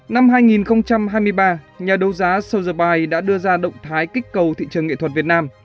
năm hai nghìn hai mươi ba nhà đấu giá sozerbai đã đưa ra động thái kích cầu thị trường nghệ thuật việt nam